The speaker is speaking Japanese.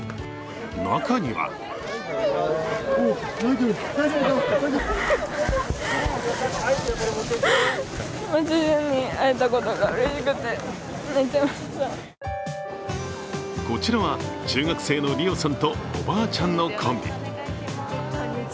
中にはこちらは中学生の里緒さんとおばあちゃんのコンビ。